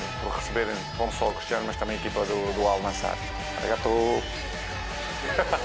ありがとう。